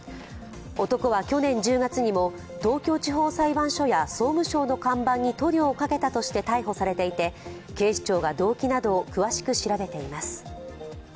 男は去年１０月にも東京地方裁判所や総務省の看板に塗料をかけたとして逮捕されていて、警視庁が動機などを詳しく調べています。